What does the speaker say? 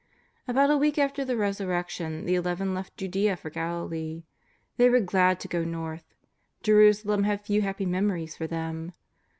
About a week after the Resurrection the Eleven left Judea for Galilee. They were glad to go north. Je rusalem had few happy memories for them.